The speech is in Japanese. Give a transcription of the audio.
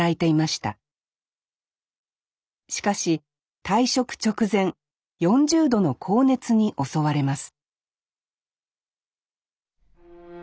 しかし退職直前４０度の高熱に襲われます